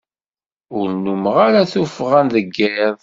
Ur nnumeɣ ara tuffɣa deg iḍ.